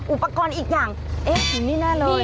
อุปกรณ์อีกอย่างเอ๊ะเห็นนี่แน่เลย